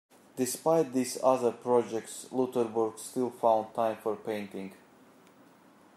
Despite these other projects, Loutherbourg still found time for painting.